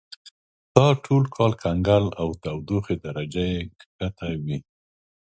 دا ټول کال کنګل او تودوخې درجه یې کښته وي.